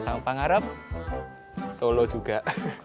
sampai ngarep solo juga